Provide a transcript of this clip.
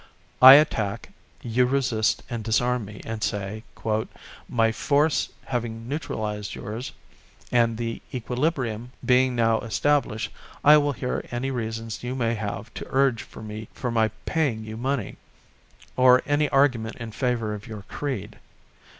I attack; you resist and disarm me and say: "My force having neutralised yours, and the equilibrium being now established, I will hear any reasons you may have to urge for my paying you money; or any argument in favour of your creed.